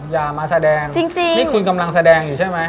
อย่ามาแสดงจริงนี่คุณกำลังแสดงอยู่ใช่ไหม